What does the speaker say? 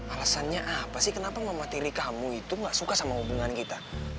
alasannya apa sih kenapa mamateri kamu itu gak suka sama hubungan kita